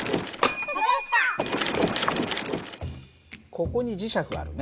ここに磁石があるね。